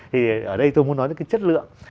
thì ở đây tôi muốn nói đến cái chất lượng